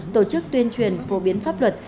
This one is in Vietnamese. tổ chức tuyên truyền phổ biến pháp luật